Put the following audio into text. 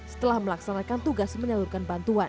setelah melaksanakan tugas menyalurkan bantuan